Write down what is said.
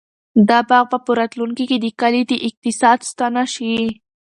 دا باغ به په راتلونکي کې د کلي د اقتصاد ستنه شي.